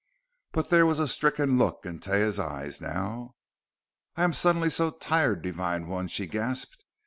But there was a stricken look in Taia's eyes now. "I am suddenly so tired, Divine One!" she gasped.